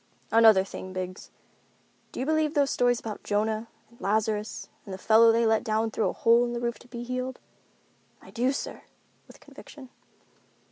"Another thing, Biggs, do you believe those stories about Jonah, and Lazarus, and the fellow they let down through a hole in the roof to be healed?" "I do, sir," with conviction.